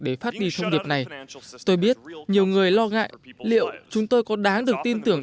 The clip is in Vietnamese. để phát đi thông điệp này tôi biết nhiều người lo ngại liệu chúng tôi có đáng được tin tưởng